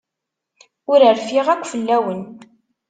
Ur rfiɣ akk fell-awen.